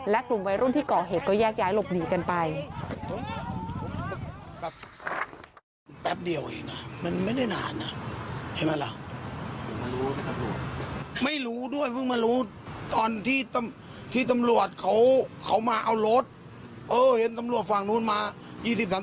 และกลุ่มวัยรุ่นที่ก่อเหตุก็แยกย้ายหลบหนีกันไป